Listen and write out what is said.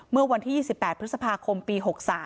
เมื่อวันที่๒๘พฤษภาคมปี๖๓